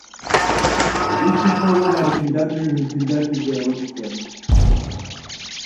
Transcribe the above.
Each performance had a conductor who conducted the orchestra.